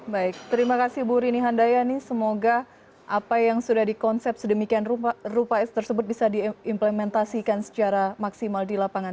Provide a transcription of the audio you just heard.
baik terima kasih bu rini handayani semoga apa yang sudah dikonsep sedemikian rupa s tersebut bisa diimplementasikan secara maksimal di lapangan